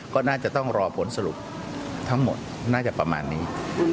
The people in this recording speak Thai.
ก็น่าจะต้องรอผลสรุปทั้งหมดน่าจะประมาณนี้